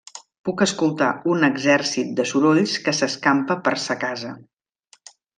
Puc escoltar un exèrcit de sorolls que s’escampa per sa casa.